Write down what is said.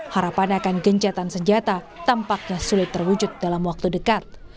harapan akan gencatan senjata tampaknya sulit terwujud dalam waktu dekat